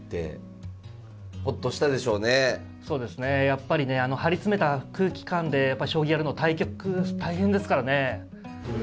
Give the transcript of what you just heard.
やっぱりねあの張り詰めた空気感でやっぱり将棋やるの対局大変ですからね。